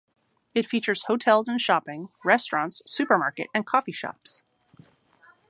It features hotels and shopping, restaurants, supermarket, and coffee shops.